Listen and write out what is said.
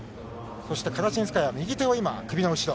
そしてカラジンスカヤは右手を今、首の後ろ。